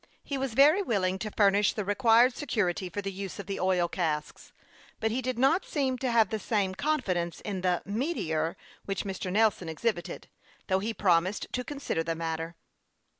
He was very willing to furnish the required security for the use of the oil casks, but he did not seem to have the same confidence in the " Meteor " which Mr. Nelson exhibited, though he promised to consider the matter.